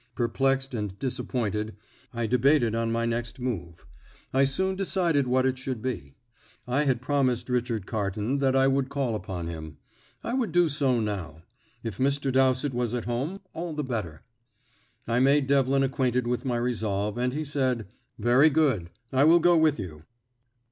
Perplexed and disappointed, I debated on my next move. I soon decided what it should be. I had promised Richard Carton that I would call upon him. I would do so now. If Mr. Dowsett was at home, all the better. I made Devlin acquainted with my resolve, and he said, "Very good; I will go with you."